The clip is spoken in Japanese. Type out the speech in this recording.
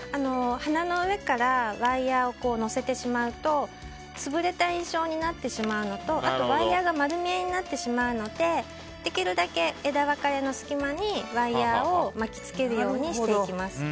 花の上からワイヤを載せてしまうと潰れた印象になってしまうのとワイヤが丸見えになってしまうのでできるだけ枝目の隙間にワイヤを巻き付けるようにしていきます。